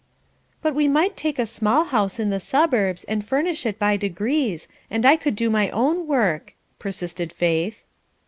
"But we might take a small house in the suburbs and furnish it by degrees, and I could do my own work," persisted Faith.